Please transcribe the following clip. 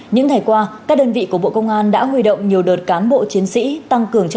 những ngày qua các đơn vị của bộ công an đã huy động nhiều đợt cán bộ chiến sĩ tăng cường